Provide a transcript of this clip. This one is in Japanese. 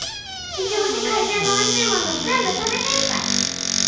うちも世界中のおいしいもの全部食べてみたい！